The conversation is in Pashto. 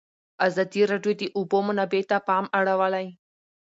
ازادي راډیو د د اوبو منابع ته پام اړولی.